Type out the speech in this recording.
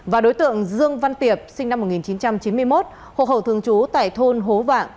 và đối tượng dương văn tiệp sinh năm một nghìn chín trăm chín mươi một hộ khẩu thương chú tại thôn hố vạng